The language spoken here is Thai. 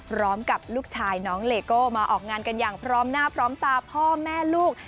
ลูกชายน้องเลโก้มาออกงานกันอย่างพร้อมหน้าพร้อมตาพ่อแม่ลูก